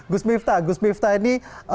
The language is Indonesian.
gus miftah gus miftah ini